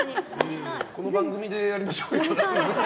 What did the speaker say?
この番組でやりましょうよ。